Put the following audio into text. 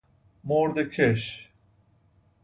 مرده کش